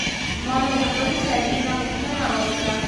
ما له یوه بل سړي نه غوښتنه وکړه.